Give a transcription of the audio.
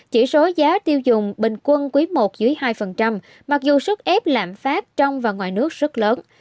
chỉ số giá tiêu dùng bình quân quý i dưới hai mặc dù sức ép lạm phát trong và ngoài nước rất lớn